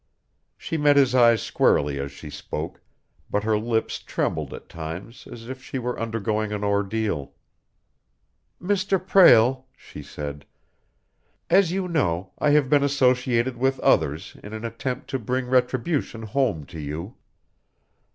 She met his eyes squarely as she spoke, but her lips trembled at times as if she were undergoing an ordeal. "Mr. Prale," she said, "as you know, I have been associated with others in an attempt to bring retribution home to you.